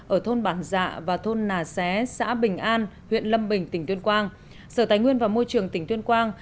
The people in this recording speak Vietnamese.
ở thôn bản dạ và thôn nà xé xã bình an huyện lâm bình tỉnh tuyên quang sở tài nguyên và môi trường tỉnh tuyên quang